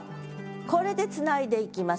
これでつないでいきます。